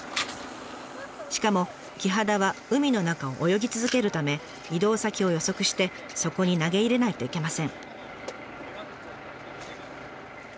しかもキハダは海の中を泳ぎ続けるため移動先を予測してそこに投げ入れないといけません。